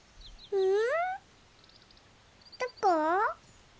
うん？